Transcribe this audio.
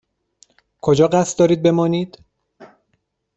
کجا قصد دارید بمانید؟